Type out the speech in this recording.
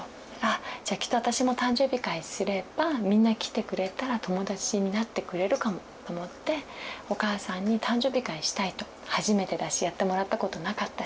じゃあきっと私も誕生日会すればみんな来てくれたら友達になってくれるかもと思ってお母さんに「誕生日会したい」と。初めてだしやってもらったことなかったし。